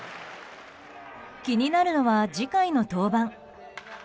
気になるのは次回の登板。